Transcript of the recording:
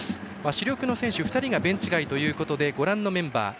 主力の選手２人がベンチ外ということでご覧のメンバー。